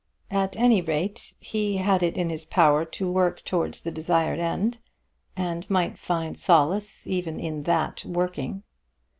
At any rate he had it in his power to work towards the desired end, and might find solace even in that working.